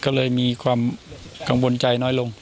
ก็เลยมีความกังวลใจน้อยลง